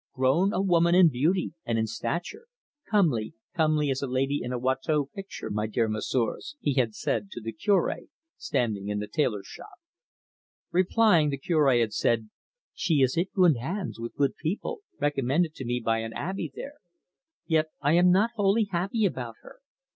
"Grown a woman in beauty and in stature; comely comely as a lady in a Watteau picture, my dear messieurs!" he had said to the Cure, standing in the tailor's shop. Replying, the Cure had said: "She is in good hands, with good people, recommended to me by an abbe there; yet I am not wholly happy about her.